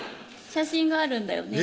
写真があるんだよね